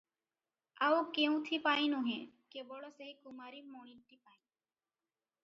ଆଉ କେଉଁଥିପାଇଁ ନୁହେଁ, କେବଳ ସେହି କୁମାରୀ ମଣିଟି ପାଇଁ ।